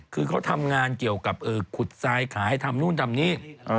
คือเขาทำงานเกี่ยวกับขุดทรายขายทำนู่นทำนี่